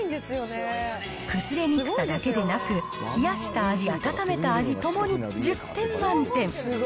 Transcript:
崩れにくさだけでなく、冷やした味、温めた味ともに１０点満点。